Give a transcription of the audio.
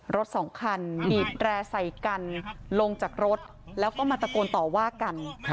สองคันบีบแร่ใส่กันลงจากรถแล้วก็มาตะโกนต่อว่ากัน